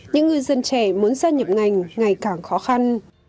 những ngư dân trẻ muốn gia nhập ngành ngày càng khó khăn